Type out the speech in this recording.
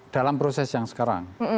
dalam proses yang sekarang